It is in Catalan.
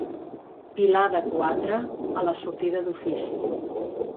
Pilar de quatre a la sortida d'Ofici.